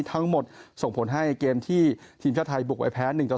ทั้งหมดส่งผลให้เกมที่ทีมชาติไทยบุกไปแพ้๑ต่อ๒